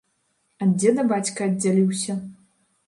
Ад дзеда бацька аддзяліўся.